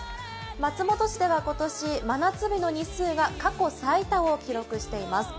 松本市では今年、真夏日の日数が過去最多を記録しています。